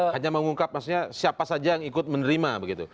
hanya mengungkap maksudnya siapa saja yang ikut menerima begitu